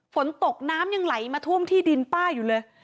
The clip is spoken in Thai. ฝนตกน้ำยังไหลมาท่วมที่ดินป้าอยู่เลย